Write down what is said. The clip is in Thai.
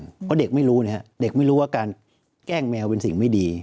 เพราะเด็กไม่รู้นะครับเด็กไม่รู้ว่าการแกล้งแมวเป็นสิ่งไม่ดี